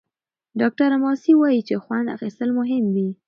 ډاکټره ماسي وايي چې خوند اخیستل مهم دي.